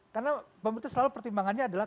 karena pemerintah selalu pertimbangannya adalah